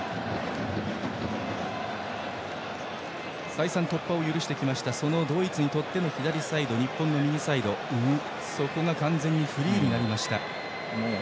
再三突破を許してきたドイツにとっての左サイド、日本の右サイドそこが完全にフリーになりました。